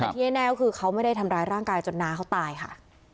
แต่ที่แน่ก็คือเขาไม่ได้ทำร้ายร่างกายจนน้าเขาตายค่ะ